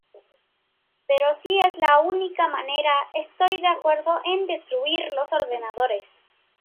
Pero si es la única manera, estoy de acuerdo en destruir los ordenadores